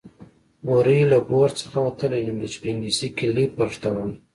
بوری له بور څخه وتلی نوم دی چې په انګليسي کې ليپرډ ته وايي